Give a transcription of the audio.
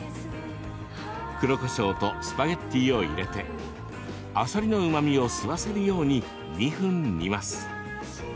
黒こしょうとスパゲッティを入れてあさりのうまみを吸わせるように２分煮ます。